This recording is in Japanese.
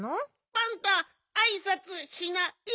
パンタあいさつしない！